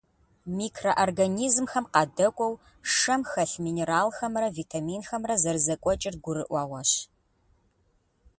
Микроорганизмхэм къадэкӀуэу, шэм хэлъ минералхэмрэ витаминхэмрэ зэрызэкӀуэкӀыр гурыӀуэгъуэщ.